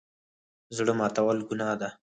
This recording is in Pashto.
زړه ماتول ګناه ده